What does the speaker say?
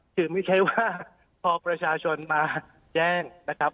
คือไม่ใช่ว่าพอประชาชนมาแจ้งนะครับ